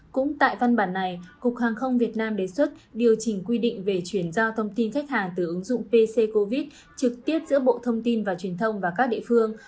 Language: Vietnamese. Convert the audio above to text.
cũng tại văn bản này cục hàng không việt nam đề xuất điều chỉnh quy định về chuyển giao thông tin khách hàng từ ứng dụng pc covid trực tiếp giữa bộ thông tin và truyền thông và các địa phương